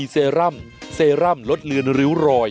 เซรั่มรสเลือนริ้วรอย